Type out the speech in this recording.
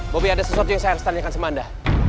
bobi ada sesuatu yang saya harus tanyakan sama anda